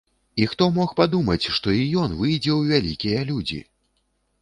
І хто мог падумаць, што і ён выйдзе ў вялікія людзі!